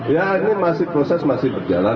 ya ini masih proses masih berjalan